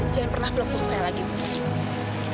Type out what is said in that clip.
jangan pernah blokir saya lagi nona